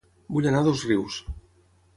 Vull anar a Dosrius